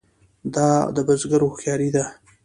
دا د بزګر هوښیاري ده.